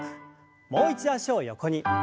もう一度脚を横に。